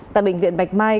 tại bệnh viện bạch mai